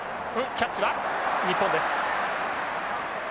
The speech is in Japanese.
キャッチは日本です。